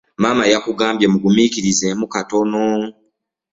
Maama yakugambye muguminkirizeemu katono.